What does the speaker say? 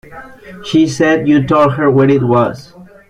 She said you told her where it was.